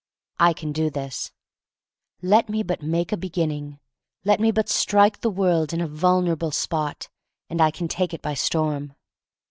I can do this. Let me but make a beginning, let me but strike the world in a vulnerable spot, and I can take it by storm.